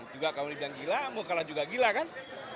juga kamu bilang gila mau kalah juga gila kan